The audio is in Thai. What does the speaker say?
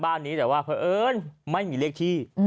บ้านนี้แต่ว่าเพลิงไม่มีเลขที่